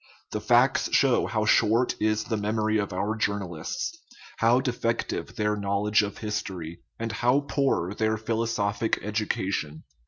The facts show how short is the memory of our journalists, how defective their knowledge of history, and how poor their philosophic education.